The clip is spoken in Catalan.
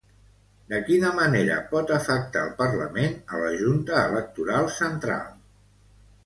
De quina manera pot afectar el Parlament a la Junta Electoral Central?